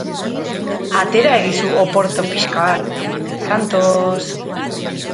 Atera egizu oporto pixka bat, Santos...